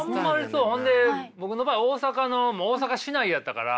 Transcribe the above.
そんで僕の場合大阪の大阪市内やったから。